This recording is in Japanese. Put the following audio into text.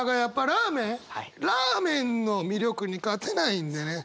ラーメンの魅力に勝てないんでね。